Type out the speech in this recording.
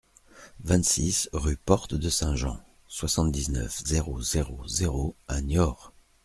vingt-six rue Porte de Saint-Jean, soixante-dix-neuf, zéro zéro zéro à Niort